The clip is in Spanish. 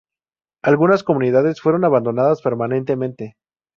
Algunas comunidades fueron abandonadas permanentemente.